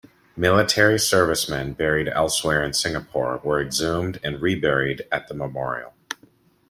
Military servicemen buried elsewhere in Singapore were exhumed and reburied at the memorial.